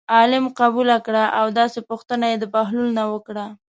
عالم قبول کړه او داسې پوښتنه یې د بهلول نه وکړه.